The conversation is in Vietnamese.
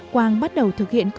quang bắt đầu thực hiện